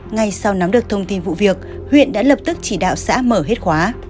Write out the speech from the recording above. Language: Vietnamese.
ngay sau nắm được thông tin vụ việc huyện đã lập tức chỉ đạo xã mở hết khóa